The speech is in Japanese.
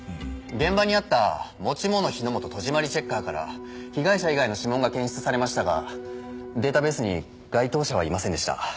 現場にあった持ち物火の元戸締りチェッカーから被害者以外の指紋が検出されましたがデータベースに該当者はいませんでした。